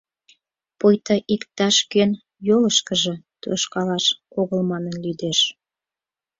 Пуйто иктаж-кӧн йолышкыжо тошкалаш огыл манын лӱдеш.